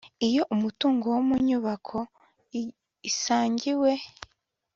Iyo umutungo wo mu nyubako isangiwe